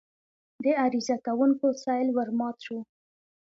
د عریضه کوونکو سېل ورمات شو.